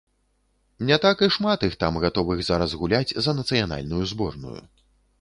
Не так і шмат іх там, гатовых зараз гуляць за нацыянальную зборную.